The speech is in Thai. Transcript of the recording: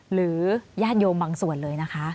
หรือญาติโยมบางส่วนเลยนะคะ